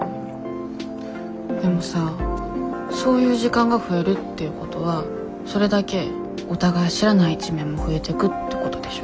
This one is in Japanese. でもさそういう時間が増えるってことはそれだけお互い知らない一面も増えてくってことでしょ？